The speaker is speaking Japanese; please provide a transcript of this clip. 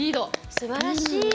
すばらしい！